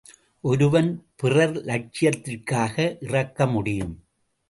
ஒருவன் பிறர் லட்சியத்திற்காக இறக்க முடியும்.